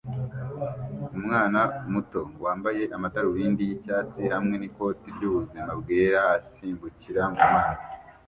Umwana muto wambaye amadarubindi y'icyatsi hamwe n'ikoti ry'ubuzima bwera asimbukira mu mazi